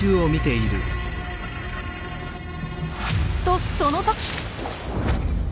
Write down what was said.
とその時！